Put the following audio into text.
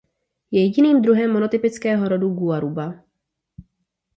Je jediným druhem monotypického rodu "Guaruba".